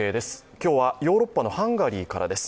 今日はヨーロッパのハンガリーからです。